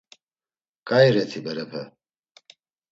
Ǩai reti berepe?